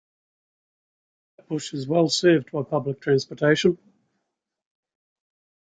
Flatbush is well served by public transportation.